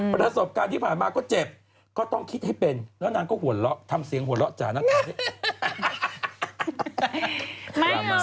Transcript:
ประสบการณ์ที่ผ่านมาก็เจ็บก็ต้องคิดให้เป็นแล้วนางก็หัวเราะทำเสียงหัวเราะจ่านักข่าวด้วย